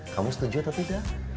kamu setuju atau tidak